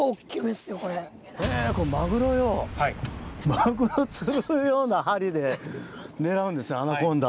マグロ釣る用の針で狙うんですねアナコンダ。